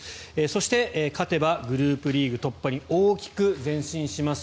そして、勝てばグループリーグ突破に大きく前進します。